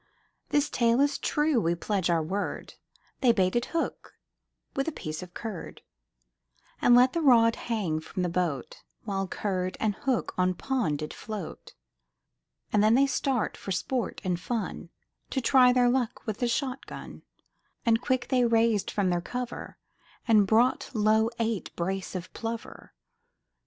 This tale is true we pledge our word, They baited hook with a piece of curd, And let the rod hang from the boat, While curd and hook on pond did float. And then they start for sport and fun, To try their luck with the shot gun, And quick they raised from their cover, Then brought low eight brace of plover.